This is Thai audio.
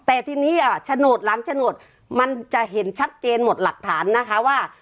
แต่ทีนี้โฉนดหลังโฉนดมันจะเห็นชัดเจนหมดหลักฐานนะคะว่า